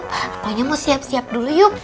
pokoknya mau siap siap dulu yuk